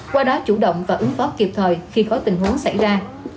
qua đó chủ động và ứng phó kịp thời khi có tình huống xảy ra